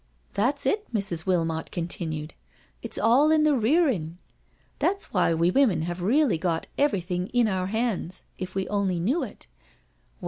"That's it/' Mrs. Wilmot continued, "it's all in the rearing. That's why we women have really got everything in our own hands, if we only knew it.